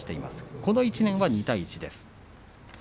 この１年は、２対１です。